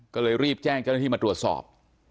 ก็เลยรีบแจ้งเจ้าหน้าที่มาตรวจสอบ